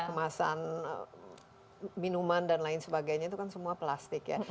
kemasan minuman dan lain sebagainya itu kan semua plastik ya